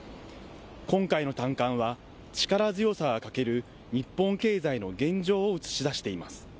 今回の短観は力強さが欠ける日本経済の現状を映し出しています。